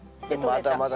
まだまだ。